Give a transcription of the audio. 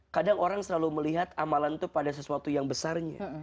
kadang orang selalu melihat amalan itu pada sesuatu yang besarnya